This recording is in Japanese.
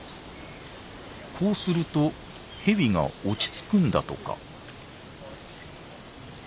こうするとヘビが落ち着くんだとか。